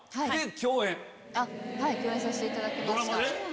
共演させていただきました。